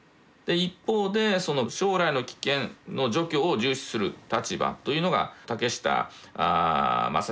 一方で「将来の危険の除去」を重視する立場というのが竹下正彦中佐。